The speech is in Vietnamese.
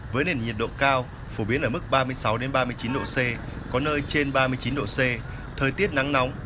với nền nhiệt độ cao phổ biến ở mức ba mươi sáu ba mươi chín độ c có nơi trên ba mươi chín độ c thời tiết nắng nóng